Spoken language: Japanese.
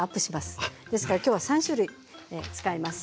ですから今日は３種類使います。